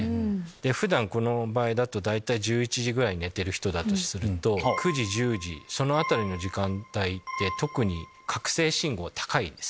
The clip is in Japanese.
普段この場合だと大体１１時ぐらいに寝てる人だと９時１０時その辺りの時間帯って特に覚醒信号が高いです。